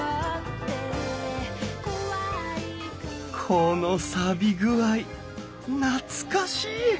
このさび具合懐かしい！